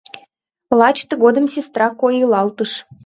Лач тыгодым сестра койылалтыш.